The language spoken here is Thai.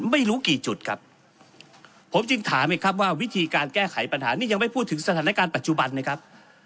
ไม่รู้กี่จุดครับผมจึงถามไงครับว่าวิธีการแก้ไขปัญหานี่ยังไม่พูดถึงสถานการณ์ปัจจุบันนะครับ